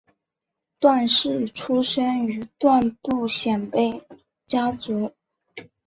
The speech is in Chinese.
段氏出身于段部鲜卑家族。